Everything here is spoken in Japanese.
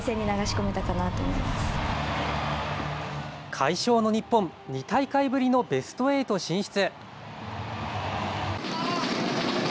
快勝の日本２大会ぶりのベスト８進出。